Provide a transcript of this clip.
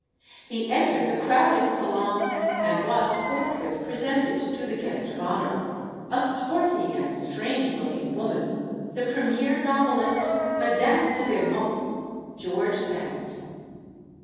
He entered the crowded salon and was forthwith presented to the guest of honor, a swarthy and strange looking woman the premiere novelist, Madame Dudevant George Sand.